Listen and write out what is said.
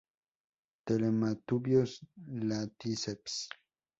Telmatobius laticeps.